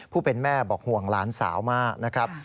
ผู้เป็นแม่บอกห่วงหลานสาวมากนะครับ